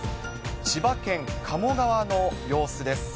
千葉県鴨川の様子です。